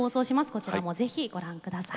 こちらもぜひご覧下さい。